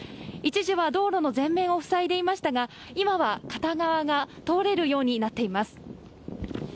一時は道路の全面を塞いでいましたが、今は片側が通れるようになっています。